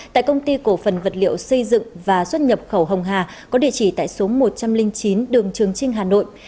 tại công ty cổ phần vật liệu xây dựng và xuất nhập khẩu hồng hà có địa chỉ tại số một trăm linh chín đường trường trinh hà nội